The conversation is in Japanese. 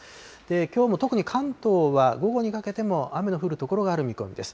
きょうも特に関東は午後にかけても雨の降る所がある見込みです。